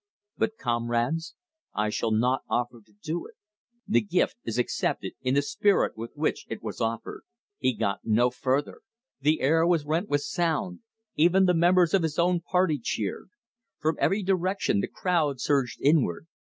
"But, comrades, I shall not offer to do it: the gift is accepted in the spirit with which it was offered " He got no further. The air was rent with sound. Even the members of his own party cheered. From every direction the crowd surged inward.